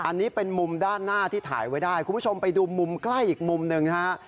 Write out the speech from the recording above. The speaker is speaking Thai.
อันนี้เป็นมุมด้านหน้าที่ถ่ายไว้ได้คุณผู้ชมไปดูมุมใกล้อีกมุมหนึ่งนะฮะ